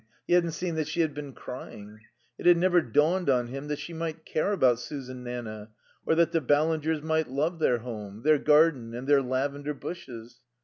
He hadn't seen that she had been crying. It had never dawned on him that she might care about Susan Nanna, or that the Ballingers might love their home, their garden and their lavender bushes.